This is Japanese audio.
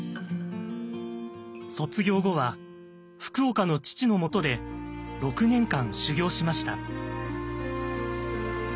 卒業後は福岡の父のもとで６年間修業しました。